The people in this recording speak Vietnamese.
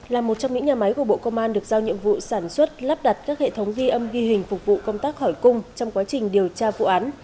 là một trong những nhà máy của bộ công an được giao nhiệm vụ sản xuất lắp đặt các hệ thống ghi âm ghi hình phục vụ công tác hỏi cung trong quá trình điều tra vụ án